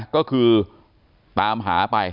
ก็คือตามหาไป